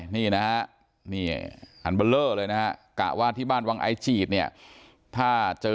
นะฮะนี่อันเลยนะฮะกะว่าที่บ้านวังไอจีดเนี่ยถ้าเจอ